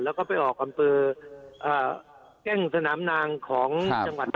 แล้วก็ไปออกอำเภออ่าแกล้งสนามนางของครับ